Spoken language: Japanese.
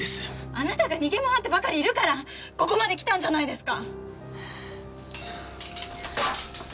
あなたが逃げ回ってばかりいるからここまで来たんじゃないですか！